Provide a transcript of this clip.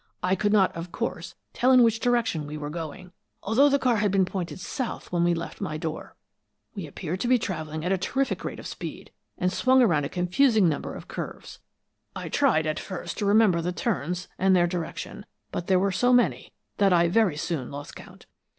I could not, of course, tell in what direction we were going, although the car had been pointed south when we left my door. We appeared to be travelling at a terrific rate of speed and swung around a confusing number of curves. "I tried at first to remember the turns, and their direction, but there were so many that I very soon lost count.